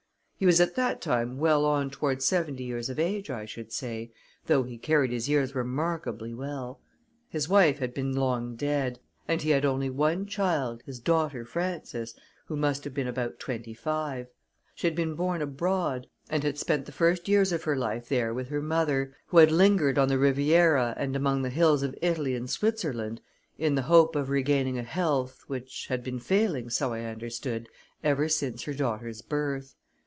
He was at that time well on toward seventy years of age, I should say, though he carried his years remarkably well; his wife had been long dead, and he had only one child, his daughter, Frances, who must have been about twenty five. She had been born abroad, and had spent the first years of her life there with her mother, who had lingered on the Riviera and among the hills of Italy and Switzerland in the hope of regaining a health, which had been failing, so I understood, ever since her daughter's birth.